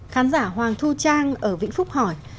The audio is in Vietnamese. khán giả hoàng thu trang ở vĩnh phúc hỏi